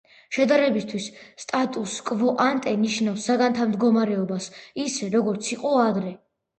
შედარებისთვის „სტატუს-კვო ანტე“ ნიშნავს საგანთა მდგომარეობას ისე, როგორც იყო ადრე.